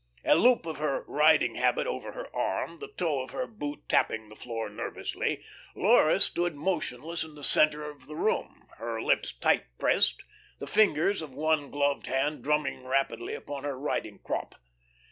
A loop of her riding habit over her arm, the toe of her boot tapping the floor nervously, Laura stood motionless in the centre of the room, her lips tight pressed, the fingers of one gloved hand drumming rapidly upon her riding crop.